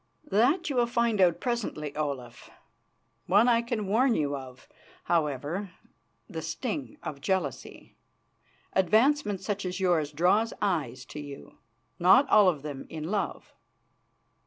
"That you will find out presently, Olaf. One I can warn you of, however the sting of jealousy. Advancement such as yours draws eyes to you, not all of them in love."